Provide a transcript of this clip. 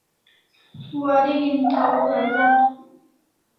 Wareg'in thaw hul'a za